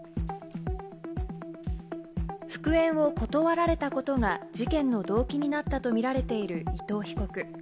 復縁を断られたことが事件の動機になったと見られている伊藤被告。